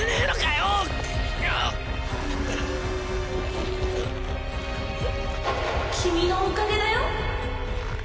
よっ君のおかげだよ